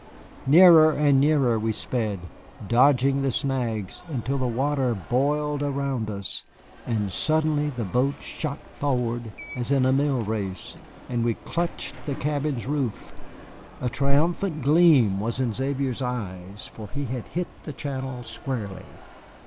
Nearer and nearer we sped, dodging the snags, until the water boiled around us, and suddenly the boat shot forward as in a mill race, and we clutched the cabin's roof. A triumphant gleam was in Xavier's eyes, for he had hit the channel squarely.